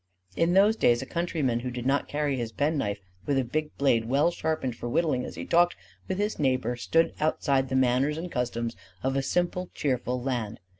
In those days a countryman who did not carry his penknife with a big blade well sharpened for whittling as he talked with his neighbor stood outside the manners and customs of a simple cheerful land.